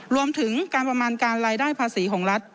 รวมถึงการประมาณการรายได้ภาษีของรัฐ